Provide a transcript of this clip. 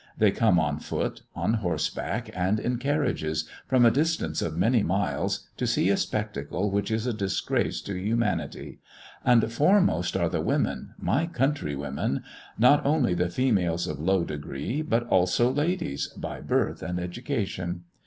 They come on foot, on horseback, and in carriages, from a distance of many miles, to see a spectacle which is a disgrace to humanity; and foremost are the women my countrywomen not only the females of low degree, but also ladies, 'by birth and education.'